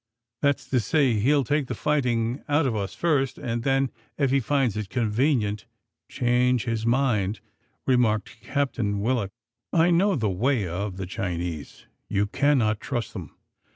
"That's to say, he'll take the fighting out of us first, and then, if he finds it convenient, change his mind," remarked Captain Willock. "I know the way of the Chinese. You cannot trust them."